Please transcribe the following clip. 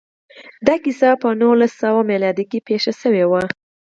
دا کیسه په نولس سوه میلادي کال کې پېښه شوې ده